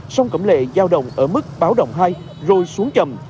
sông cẩm lệ giao động ở mức báo động hai rồi xuống chầm